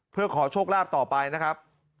เพื่อขอโชคลาภต่อไปนะครับ